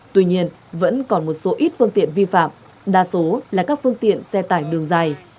tuy nhiên vẫn còn một số ít phương tiện vi phạm đa số là các phương tiện xe tải đường dài